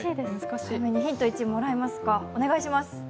ヒント１もらえますか？